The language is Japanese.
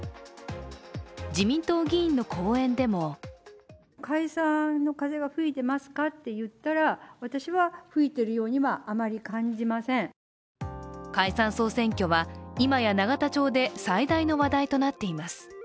自民党議員の講演でも解散総選挙は今や永田町で最大の話題となっています。